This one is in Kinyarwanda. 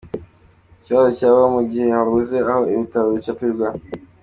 Ikibazo cyabaho mu gihe habuze aho ibitabo bicapirwa.